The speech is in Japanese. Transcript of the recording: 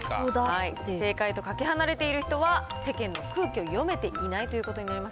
正解とかけ離れている人は、世間の空気を読めていないということになります。